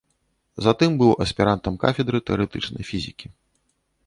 Затым быў аспірантам кафедры тэарэтычнай фізікі.